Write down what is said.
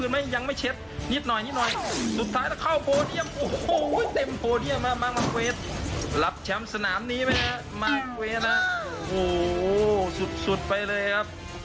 มามามาเวฟรับแชมป์สนามนี้ไหมฮะมาเวฟนะโอ้โหสุดสุดไปเลยครับ